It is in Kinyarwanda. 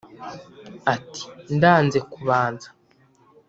ati: “ndanze kubanza